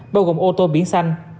bao gồm ô tô biển xanh